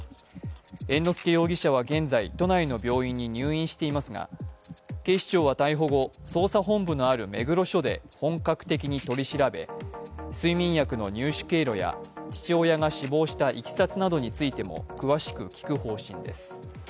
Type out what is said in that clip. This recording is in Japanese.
猿之助容疑者は現在、都内の病院に入院していますが、警視庁は逮捕後、捜査本部のある目黒署で本格的に取り調べ睡眠薬の入手経路や父親が死亡したいきさつなどについても、詳しく聞く方針です。